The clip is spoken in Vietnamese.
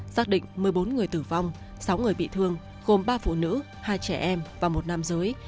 xác định một mươi bốn người tử vong sáu người bị thương gồm ba phụ nữ hai trẻ em và một nam giới